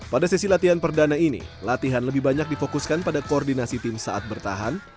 pada sesi latihan perdana ini latihan lebih banyak difokuskan pada koordinasi tim saat bertahan